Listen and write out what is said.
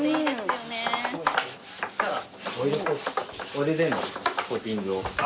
オイルでのコーティングを。